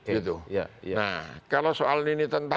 nah kalau soal ini tentara